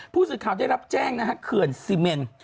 ผู้สื่อข่าวได้รับแจ้งนะฮะเขื่อนซีเมน